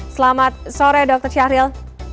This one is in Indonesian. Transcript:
selamat sore dr syahril